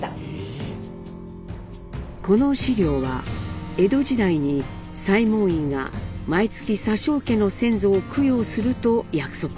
この資料は江戸時代に西門院が毎月佐生家の先祖を供養すると約束したもの。